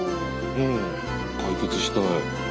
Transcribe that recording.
うん解決したい。